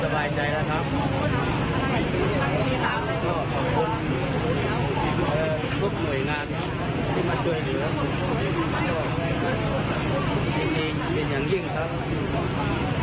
เพื่อรับตัวตัวรักชีวิตที่สุดเราจะแซมไปฟังและฟังกันให้กันครับ